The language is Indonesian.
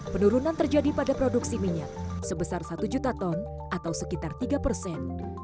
penurunan terjadi pada produksi minyak sebesar satu juta ton atau sekitar tiga persen